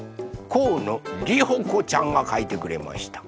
こうのりほこちゃんがかいてくれました。